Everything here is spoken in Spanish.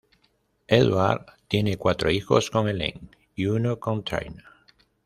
Edwards tiene cuatro hijos con Elaine y uno con Trina.